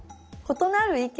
「○なる意見」？